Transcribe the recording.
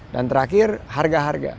dan terakhir harga harga